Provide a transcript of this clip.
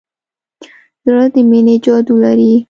زړه د مینې جادو لري.